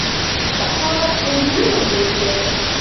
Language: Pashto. سهار د زړونو نور ده.